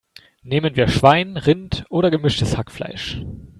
Nehmen wir Schwein, Rind oder gemischtes Hackfleisch?